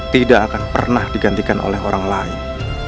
tidak akan pernah digantikan oleh orang lain